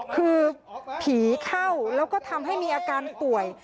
คือผีเข้าแล้วก็ทำให้มีอาการป่วย